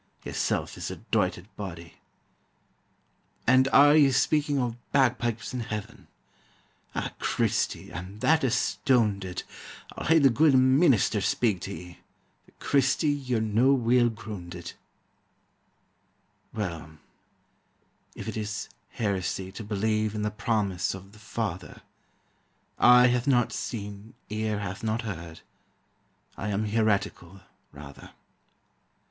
Yersel' is the doited body. "And are ye speaking o' bagpipes in Heaven? Ah, Christy, I'm that astoonded I'll hae the guid meenister speak tae ye, For, Christy, ye're no weel groonded." Well, if it is heresy to believe In the promise of the Father, "Eye hath not seen, ear hath not heard," I am heretical, rather.